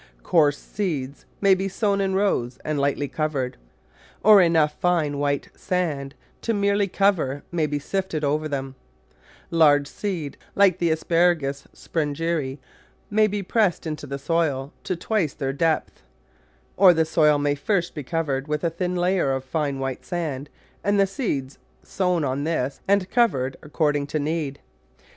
Coarse seeds may be sown in rows and lightly cov ered, or enough fine white sand to merely cover may be sifted over them. Large seed, like the Asparagus Sprengeri may be pressed into the soil to twice their Digitized by Google so The Flower Garden [ Cha P tcr depth. Or the soil may first be covered with a thin layer of fine white sand, and the seeds sown on this and covered according to need.